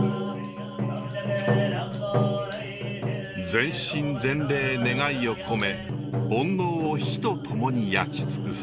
全身全霊願いを込め煩悩を火と共に焼き尽くす。